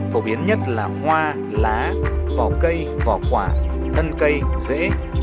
phổ biến nhất là hoa lá vỏ cây vỏ quả thân cây dễ